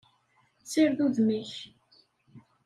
Sired udem-ik!